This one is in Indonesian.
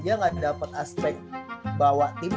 dia gak dapet aspek bawa timnya